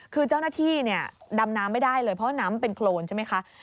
คือเจ้าหน้าที่ดำน้ำไม่ได้เลยเพราะว่าน้ำเป็นโครนใช่ไหมคะ